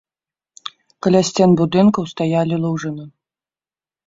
Каля сцен будынкаў стаялі лужыны.